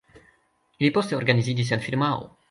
Ili poste organiziĝis en firmao.